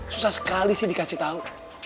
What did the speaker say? susah sekali sih dikasih tahu